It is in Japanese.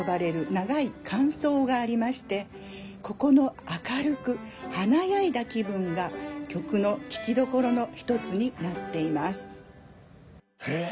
長い間奏がありましてここの明るく華やいだ気分が曲の聴きどころの一つになっています。